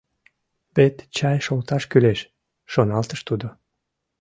Вет чай шолташ кӱлеш!» — шоналтыш тудо.